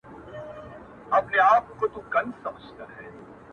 چي ته د قاف د کوم _ کونج نه دې دنيا ته راغلې _